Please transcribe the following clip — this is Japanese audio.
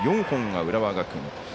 ４本が浦和学院。